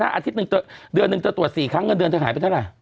อาทิตย์นึงเธอตรวจสี่ครั้งเงินเดือนเธอหายไปเท่าไร